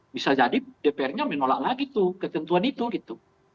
bisa jadi dpr nya menolak lagi tuh ketentuan itu gitu